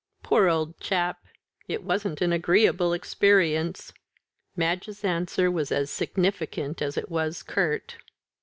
"Poor old chap! It wasn't an agreeable experience." Madge's answer was as significant as it was curt.